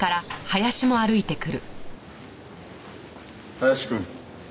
林くん。